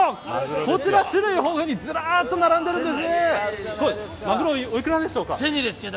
こちら種類豊富にずらっと並んでいます。